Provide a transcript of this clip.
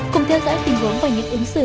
hãy theo dõi tình huống và những ứng xử